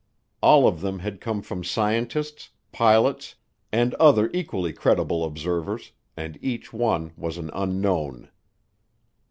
All of them had come from scientists, pilots, and other equally credible observers, and each one was an unknown.